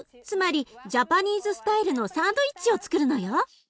つまりジャパニーズスタイルのサンドイッチをつくるのよ。